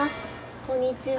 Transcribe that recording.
こんにちは。